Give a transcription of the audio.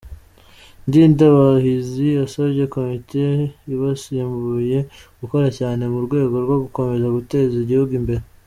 Ndindabahizi yasabye komite ibasimbuye gukora cyane mu rwego rwo gukomeza guteza igihugu imbere.